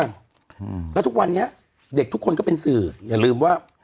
อืมแล้วทุกวันนี้เด็กทุกคนก็เป็นสื่ออย่าลืมว่า